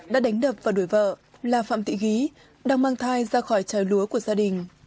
đã đánh đập và đuổi vợ là phạm tị ghi đang mang thai ra khỏi trái lúa của gia đình